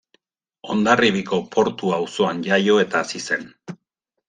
Hondarribiko Portu auzoan jaio eta hazi zen.